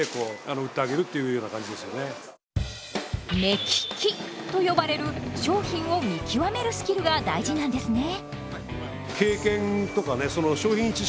「目利き」と呼ばれる商品を見極めるスキルが大事なんですね。